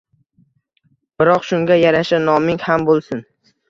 Biroq shunga yarasha noming ham bo‘lsin.